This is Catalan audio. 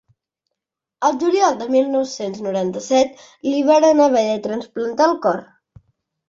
El juliol de mil nou-cents noranta-set li varen haver de trasplantar el cor.